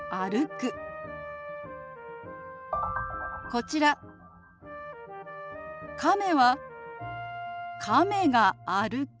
こちら亀は「亀が歩く」。